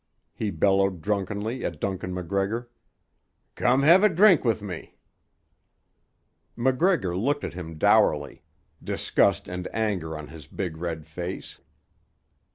he bellowed drunkenly at Duncan MacGregor. "Come have a drink with me." MacGregor looked at him dourly, disgust and anger on his big red face.